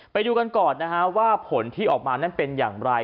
ไปดูกันก่อนนะฮะว่าผลที่ออกมานั้นเป็นอย่างไร